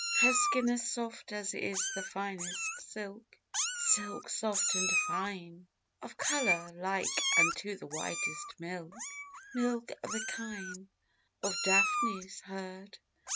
Her skin as soft as is the finest silk, Silk soft and fine: Of colour like unto the whitest milk, Milk of the kine Of Daphnis' herd.